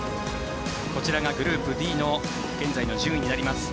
こちらがグループＤの現在の順位になります。